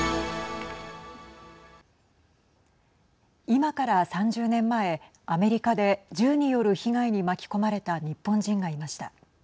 今から３０年前アメリカで銃による被害に巻き込まれた日本人がいました。